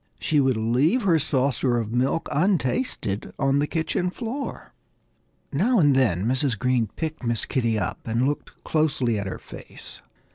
She would leave her saucer of milk untasted on the kitchen floor. Now and then Mrs. Green picked Miss Kitty up and looked closely at her face.